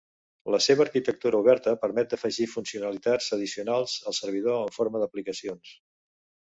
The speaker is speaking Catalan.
La seva arquitectura oberta permet d'afegir funcionalitats addicionals al servidor en forma d'aplicacions.